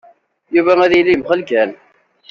Yuba ad yili yemxell kan!